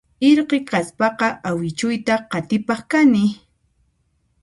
Irqi kaspaqa awichuyta qatipaq kani